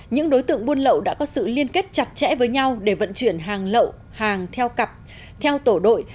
những đối tượng buôn lậu đã có sự liên kết chặt chẽ với nhau để vận chuyển hàng lậu hàng theo cặp theo tổ đội